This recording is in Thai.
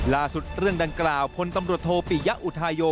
ล่าสุดเรื่องดังกล่าวผลตำรวจโทษปิยอุทายโย